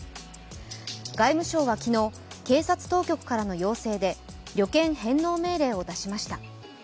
外務省は昨日、警察当局からの要請で旅券返納命令を出しました。